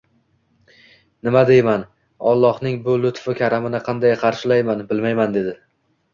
Nima deyman, Allohning bu lutfu karamini qanday qarshilayman, bilmayman» dedi